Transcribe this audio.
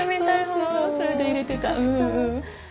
それで入れてた。